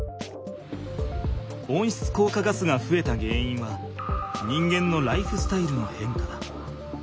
温室効果ガスがふえたげんいんは人間のライフスタイルのへんかだ。